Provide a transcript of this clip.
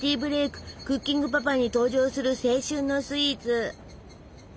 「クッキングパパ」に登場する青春のスイーツ！